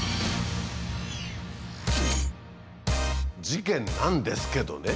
事件なんですけどね。